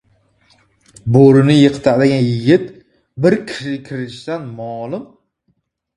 • Bo‘rini yiqitadigan yigit bir ko‘rishdan ma’lum.